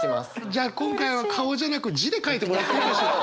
じゃあ今回は顔じゃなく字で書いてもらっていいかしら？